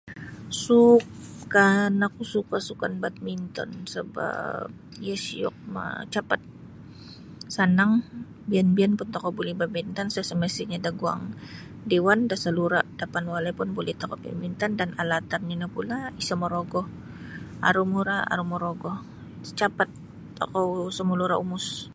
Sukan oku suka sukan badminton sebap iyo siyok ma capat sanang biyan-biyan pun tokou buli bamain badminton isa semsetinyo da guang dewan da salura dapan walai pun tokou buli main badminton da alatannyo no pula isa morogo aru murah aru morogo capat tokou sumalura umos.